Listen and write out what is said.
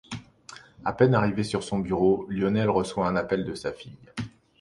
À peine arrivé à son bureau, Lionel reçoit un appel de sa fille.